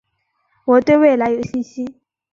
我对未来有信心